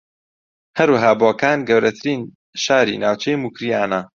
ھەروەھا بۆکان گەورەترین شاری ناوچەی موکریانە